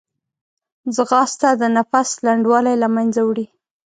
ځغاسته د نفس لنډوالی له منځه وړي